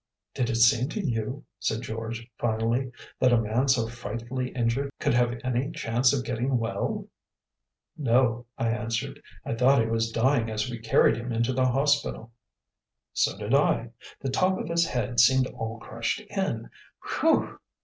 "Did it seem to you," said George finally, "that a man so frightfully injured could have any chance of getting well?" "No," I answered. "I thought he was dying as we carried him into the hospital." "So did I. The top of his head seemed all crushed in Whew!"